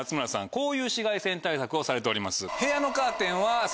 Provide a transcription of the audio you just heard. こういう紫外線対策をされております。